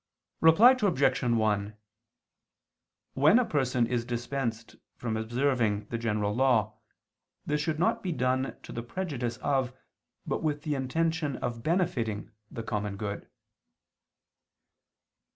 Reply Obj. 1: When a person is dispensed from observing the general law, this should not be done to the prejudice of, but with the intention of benefiting, the common good.